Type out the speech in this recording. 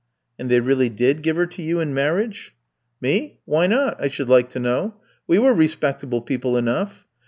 '" "And they really did give her to you in marriage?" "Me? Why not, I should like to know? We were respectable people enough.